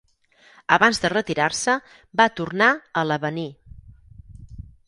Abans de retirar-se va tornar a l'Avenir.